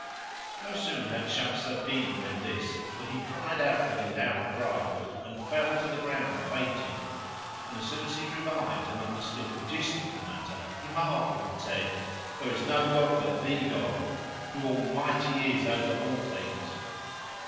No sooner had Shams al Din read this than he cried out with a loud cry and fell to the ground fainting; and as soon as he revived and understood the gist of the matter he marvelled and said, "There is no God, but the God, whose All might is over all things!